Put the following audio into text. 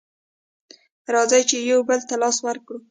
راځئ چې يو بل ته لاس ورکړو